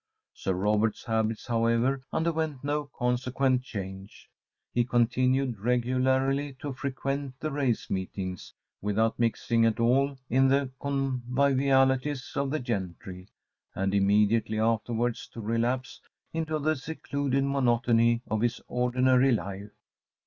Sir Robert's habits, however, underwent no consequent change; he continued regularly to frequent the race meetings, without mixing at all in the convivialities of the gentry, and immediately afterwards to relapse into the secluded monotony of his ordinary life.